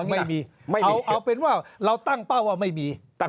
ไม่มีไม่มีเอาเป็นว่าเราตั้งเป้าว่าไม่มี